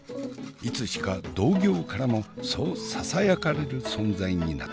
いつしか同業からもそうささやかれる存在になった。